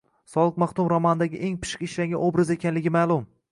Solih maxdum romandagi eng pishiq ishlangan obraz ekanligi ma’lum.